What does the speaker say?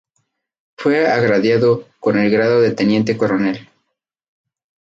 Fue agraciado con el grado de Teniente Coronel.